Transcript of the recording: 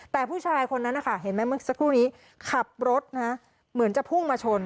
แต่ผู้ชายคนนั้นนะคะเห็นไหมเมื่อสักครู่นี้ขับรถนะเหมือนจะพุ่งมาชน